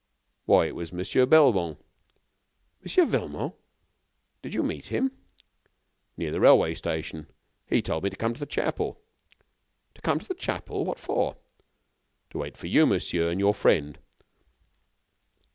"Why, it was Monsieur Velmont." "Mon. Velmont? Did you meet him?" "Near the railway station, and he told me to come to the chapel." "To come to the chapel! What for?" "To wait for you, monsieur, and your friend."